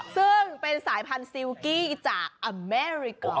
ซึ่งเป็นสายพันธุ์ซิลกี้จากอเมริกา